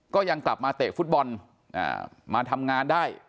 กลับมาเตะฟุตบอลมาทำงานได้